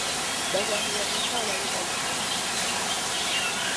Bazannyi bameka abalina obuvune?